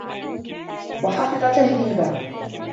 وَحَفِظَ تَهْذِيبَهَا